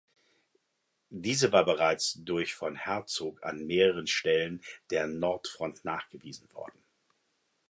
Diese war bereits durch von Herzog an mehreren Stellen der Nordfront nachgewiesen worden.